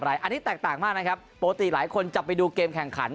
อันนี้แตกต่างมากนะครับปกติหลายคนจะไปดูเกมแข่งขัน